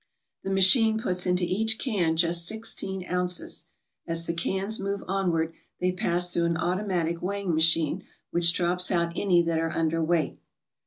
The machine puts into each can just sixteen ounces. As the cans move onward they pass through an automatic weighing machine which drops out any that are underweight.